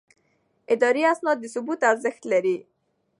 اداري اسناد د ثبوت ارزښت لري.